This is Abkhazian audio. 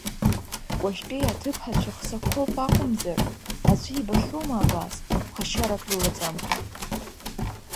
Уажәтәи аҭыԥҳацәа хсақәоуп акәымзар, аӡәы ибахьоума абас, ԥхашьарак рылаӡамкәа!